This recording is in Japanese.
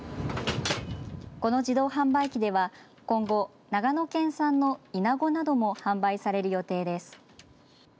この自動販売機では今後、長野県産のイナゴなども販売される予定です。